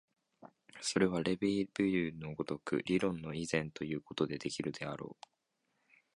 それはレヴィ・ブリュールの如く論理以前ということができるであろう。